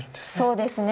そうですね。